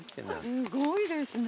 すごいですよ。